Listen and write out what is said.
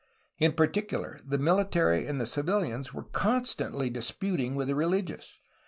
In particular, the military and the civilians were constantly disputing with the rehgious.